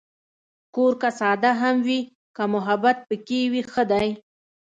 کور که ساده هم وي، که محبت پکې وي، ښه دی.